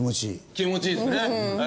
気持ちいいですね。